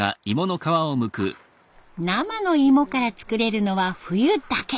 生の芋から作れるのは冬だけ。